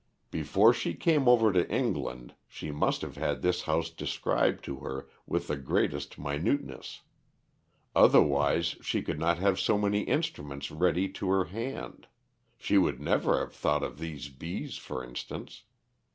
Before she came over to England she must have had this house described to her with the greatest minuteness. Otherwise she could not have so many instruments ready to her hand; she would never have thought of these bees, for instance.